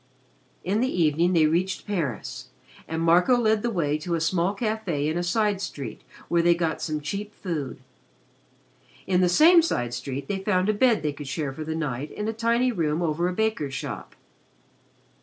In the evening they reached Paris, and Marco led the way to a small café in a side street where they got some cheap food. In the same side street they found a bed they could share for the night in a tiny room over a baker's shop.